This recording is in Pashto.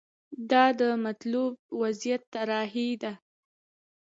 دا د مطلوب وضعیت طراحي ده.